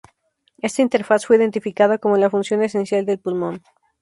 Esta interfaz fue identificada como la función esencial del pulmón.